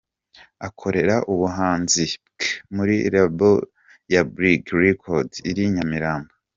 Akorera ubuhanzi bwe muri Label ya Bridge Records iri i Nyamirambo.